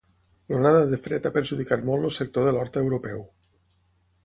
L'onada de fred ha perjudicat molt el sector de l'horta europeu.